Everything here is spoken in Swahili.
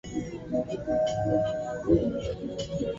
Sema sasa.